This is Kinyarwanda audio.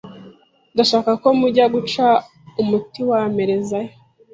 Ndashaka ko mujya guca umuti wa mperezayo.